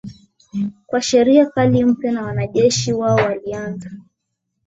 kwa sheria kali mpya na wanajeshi wao walianza